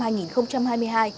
và đoàn đại biểu